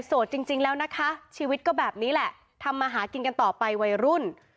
จริงแล้วนะคะชีวิตก็แบบนี้แหละทำมาหากินกันต่อไปวัยรุ่น